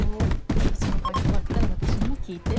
でもそのかわり終わったら私のも聞いて。